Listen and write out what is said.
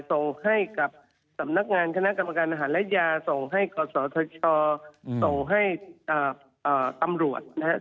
ส่งให้กับสำนักงานคณะกรรมการอาหารและยาส่งให้กศธชส่งให้ตำรวจนะครับ